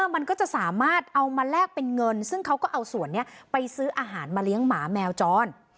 มันก็จะสามารถเอามาแลกเป็นเงินซึ่งเขาก็เอาส่วนนี้ไปซื้ออาหารมาเลี้ยงหมาแมวจร